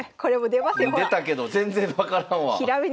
出たけど全然分からんわ。